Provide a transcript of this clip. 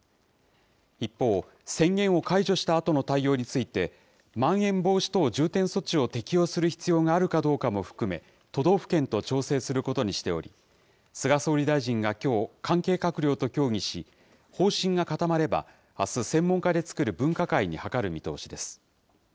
一方、宣言を解除したあとの対応について、まん延防止等重点措置を適用する必要があるかどうかも含め、都道府県と調整することにしており、菅総理大臣がきょう、関係閣僚と協議し、方針が固まればあす、専門家で作る分科会に諮る見通しです。